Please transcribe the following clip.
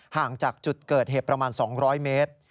ห่างจากจุดเกิดเหตุประมาณ๒๐๐เมตร